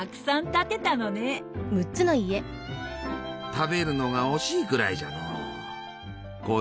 食べるのが惜しいくらいじゃのう。